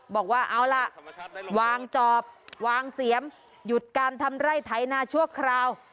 บอกว่าเอาล่ะวางจอบวางเสียมหยุดการทำไร่ไถนาชั่วคราว